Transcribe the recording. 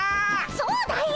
そうだよ！